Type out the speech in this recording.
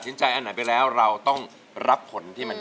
เพลงนี้อยู่ในอาราบัมชุดแรกของคุณแจ็คเลยนะครับ